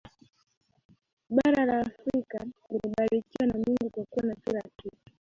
Bara la Afrika limebarikiwa na Mungu kwa kuwa na kila kitu